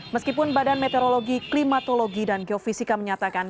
meskipun badan meteorologi klimatologi dan geofisika menyatakan